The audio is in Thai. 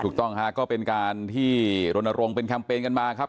ถูกต้องฮะก็เป็นการที่รณรงค์เป็นแคมเปญกันมาครับ